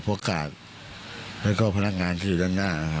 ตอนนั้นมีใครเข้าไปช่วยเค้าคะ